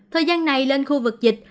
thời gian này lên khu vực dịch